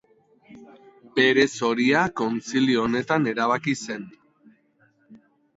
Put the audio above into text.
Bere zoria kontzilio honetan erabaki zen.